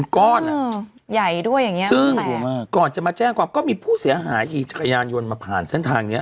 ก้อนอ่ะใหญ่ด้วยอย่างนี้ซึ่งก่อนจะมาแจ้งความก็มีผู้เสียหายขี่จักรยานยนต์มาผ่านเส้นทางเนี้ย